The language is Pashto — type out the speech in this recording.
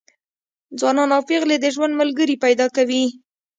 ځوانان او پېغلې د ژوند ملګري پیدا کوي.